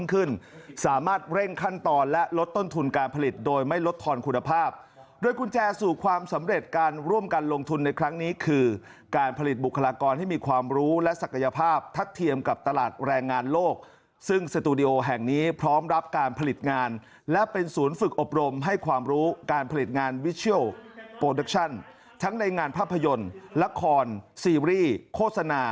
ซึ่งสามารถเร่งขั้นตอนและลดต้นทุนการผลิตโดยไม่ลดทอนคุณภาพโดยกุญแจสู่ความสำเร็จการร่วมกันลงทุนในครั้งนี้คือการผลิตบุคลากรให้มีความรู้และศักยภาพทัดเทียมกับตลาดแรงงานโลกซึ่งสตูดิโอแห่งนี้พร้อมรับการผลิตงานและเป็นศูนย์ฝึกอบรมให้ความรู้การผลิตงานวิเชียลโปรดักชั่นทั้งในงานภาพยนตร์ละครซีรีส์โฆษณา